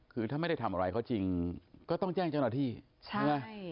คือถ้าไม่ได้ทำอะไรเขาจริงก็ต้องแจ้งเจ้าหน้าที่ใช่ไหม